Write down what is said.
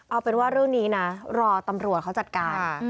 เอาเป็นว่าเรื่องนี้นะรอตำรวจเขาจัดการ